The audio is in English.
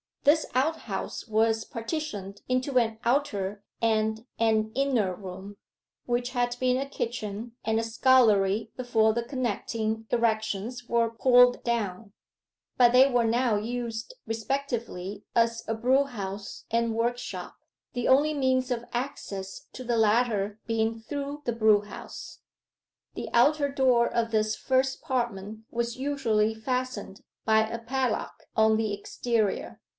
This outhouse was partitioned into an outer and an inner room, which had been a kitchen and a scullery before the connecting erections were pulled down, but they were now used respectively as a brewhouse and workshop, the only means of access to the latter being through the brewhouse. The outer door of this first apartment was usually fastened by a padlock on the exterior.